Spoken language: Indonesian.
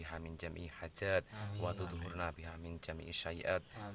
dan berlangganan untuk melihat video terbaru